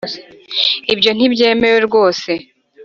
ibyo ntibyemewe rwose.